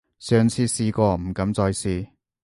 上次試過，唔敢再試